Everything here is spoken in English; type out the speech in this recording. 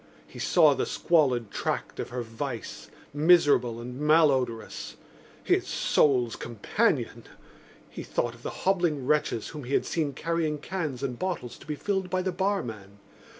He saw the squalid tract of her vice, miserable and malodorous. His soul's companion! He thought of the hobbling wretches whom he had seen carrying cans and bottles to be filled by the barman.